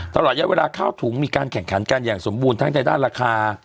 ตลอดเยอะเวลาข้าวถุงมีการแข่งขันกันอย่างสมบูรณ์ทั้งในด้านราคา